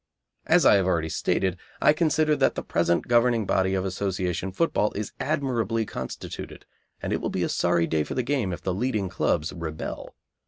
As I have already stated, I consider that the present governing body of Association football is admirably constituted, and it will be a sorry day for the game if the leading clubs rebel.